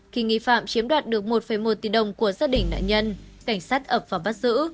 khi nghi phạm chiếm đoạt được một một tỷ đồng của gia đình nạn nhân cảnh sát ập và bắt giữ